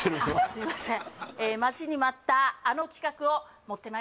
すいません